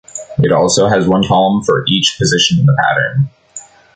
It also has one column for each position in the pattern.